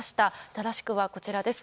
正しくはこちらです。